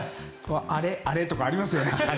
あれあれとかありますよね。